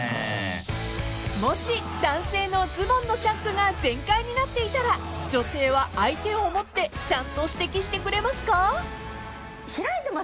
［もし男性のズボンのチャックが全開になっていたら女性は相手を思ってちゃんと指摘してくれますか？］